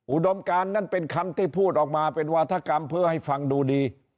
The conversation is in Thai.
อุดมการนั้นเป็นคำที่พูดออกมาเป็นวาธกรรมเพื่อให้ฟังดูดี